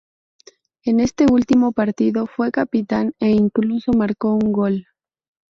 En este último partido fue capitán e incluso marcó un gol.